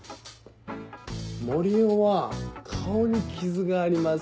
森生は顔に傷があります。